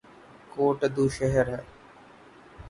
کوٹ ادو شہر ہے